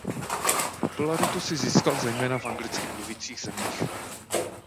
Popularitu si získal zejména v anglicky mluvících zemích.